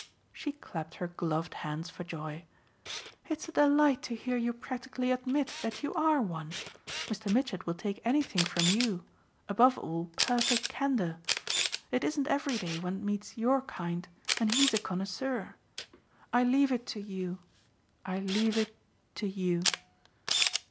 She clapped her gloved hands for joy. "It's a delight to hear you practically admit that you ARE one! Mr. Mitchett will take anything from you above all perfect candour. It isn't every day one meets YOUR kind, and he's a connoisseur. I leave it to you I leave it to you."